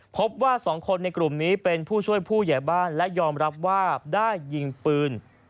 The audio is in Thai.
พบว่าสองคนในกลุ่มนี้เป็นผู้ช่วยผู้ใหญ่บ้านและยอมรับว่าได้ยิงปืน